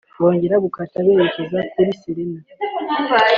bongera gukata berekeza kuri Serena